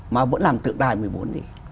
mà vẫn làm tượng đài một mươi bốn tỷ